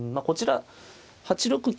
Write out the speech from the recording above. こちら８六